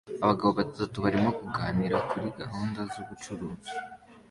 Abagabo batatu barimo kuganira kuri gahunda z'ubucuruzi